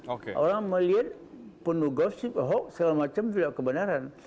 orang melihat penuh gosip hoax segala macam sudah kebenaran